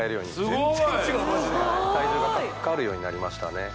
全然違うマジで体重がかかるようになりましたね